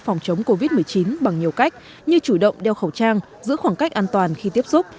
phòng chống covid một mươi chín bằng nhiều cách như chủ động đeo khẩu trang giữ khoảng cách an toàn khi tiếp xúc